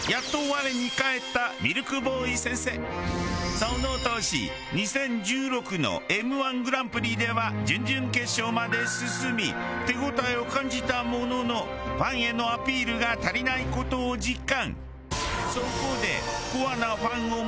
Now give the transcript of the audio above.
その年２０１６のＭ−１グランプリでは準々決勝まで進み手応えを感じたもののファンへのアピールが足りない事を実感。